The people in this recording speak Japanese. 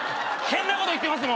ヘンなこと言ってます